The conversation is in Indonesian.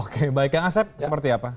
oke baik ya mas set seperti apa